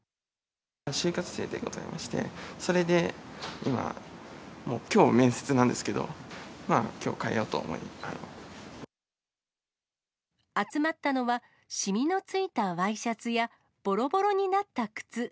就活生でございまして、それで今、もう、きょう面接なんですけど、きょう、替えようと思集まったのは、染みのついたワイシャツやぼろぼろになった靴。